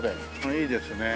いいですね。